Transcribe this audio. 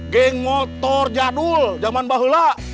gang motor jadul zaman bahola